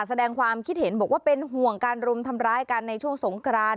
แสดงความคิดเห็นบอกว่าเป็นห่วงการรุมทำร้ายกันในช่วงสงกราน